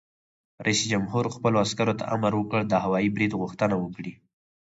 رئیس جمهور خپلو عسکرو ته امر وکړ؛ د هوايي برید غوښتنه وکړئ!